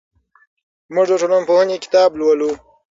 موږ د ټولنپوهنې کتاب لولو.